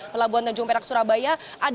pelabuhan tanjung perak surabaya